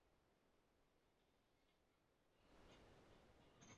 Indie Rock Raps" de la discográfica Immortal Records.